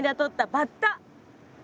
バッタ？